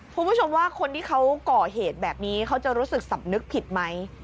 คุณผู้ชมว่าคนที่เขาก่อเหตุแบบนี้เขาจะรู้สึกสำนึกผิดไหม